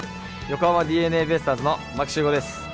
横浜ＤｅＮＡベイスターズの牧秀悟です。